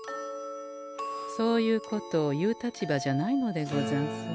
そういうことを言う立場じゃないのでござんす。